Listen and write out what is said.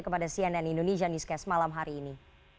kepada cnn indonesia newscast malam hari ini